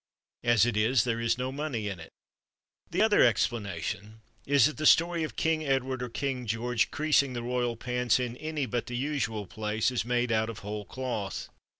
As it is there is no money in it. The other explanation is that the story of King Edward or King George creasing the Royal Pants in any but the usual place is made out of whole cloth.